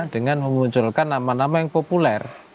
dengan memunculkan nama nama yang populer